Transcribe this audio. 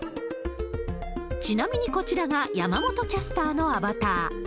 ちなみにこちらが山本キャスターのアバター。